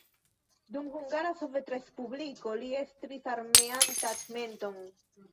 Dum Hungara Sovetrespubliko li estris armean taĉmenton.